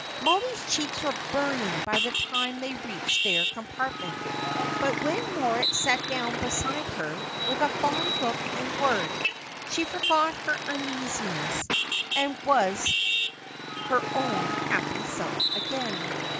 Mollie's cheeks were burning by the time they reached their compartment; but when Moritz sat down beside her with a fond look and word, she forgot her uneasiness, and was her own happy self again.